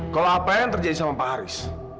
kalau apa yang terjadi sama pak haris